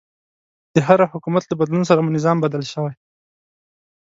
د هر حکومت له بدلون سره مو نظام بدل شوی.